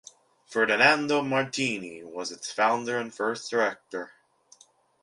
Ferdinando Martini was its founder and first director.